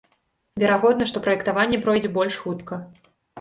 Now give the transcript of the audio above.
Верагодна, што праектаванне пройдзе больш хутка.